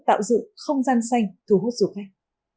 tạo dựng không gian xanh thu hút dù khách